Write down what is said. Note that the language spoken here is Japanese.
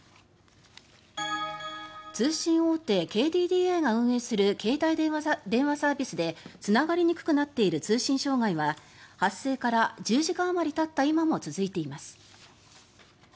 通信大手ＫＤＤＩが運営する携帯電話サービスでつながりにくくなっている通信障害は発生から１０時間あまりたった今も続いています。